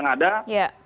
tidak boleh menurut saya